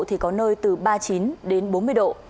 thì có nơi từ ba mươi chín đến bốn mươi độ